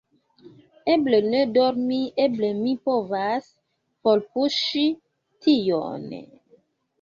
Eble ne dormi, eble mi povas forpuŝi tion…